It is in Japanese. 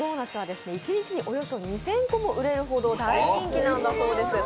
ＤＯＮＵＴＳのドーナツは一日におよそ２０００個も売れるほど大人気なんだそうです。